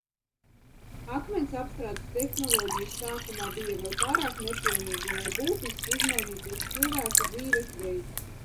Akmens apstrādes tehnoloģija sākumā bija vēl pārāk nepilnīga, lai būtiski izmainītos cilvēku dzīves veids.